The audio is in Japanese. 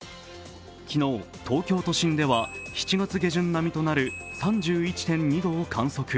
昨日、東京都心では７月下旬となる３１．２度を観測。